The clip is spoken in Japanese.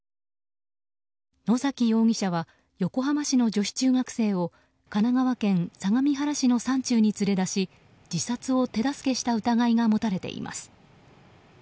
野崎容疑者は横浜市の女子中学生を神奈川県相模原市の山中に連れ出し自殺を手助けした疑いが持たれています。